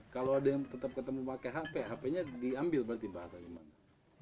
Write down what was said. kalau ada yang tetap ketemu pakai hp hp nya diambil berarti pak